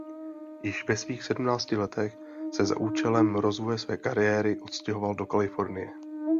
Již ve svých sedmnácti letech se za účelem rozvoje své kariéry odstěhoval do Kalifornie.